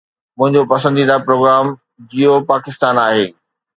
منهنجو پسنديده پروگرام جيوتپاڪستان آهي.